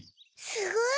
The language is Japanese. すごい。